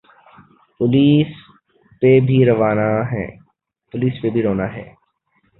Police پہ بھی رونا ہے۔